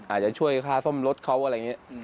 อาจจะช่วยค่าซ่อมรถเขาอะไรอย่างนี้